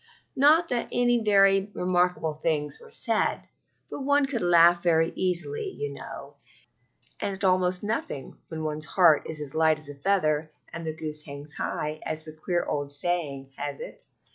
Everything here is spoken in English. Not that any very remarkable things were said, but one can laugh very easily, you know, and at almost nothing, when one's heart is light as a feather and the "goose hangs high," as the queer old saying has it.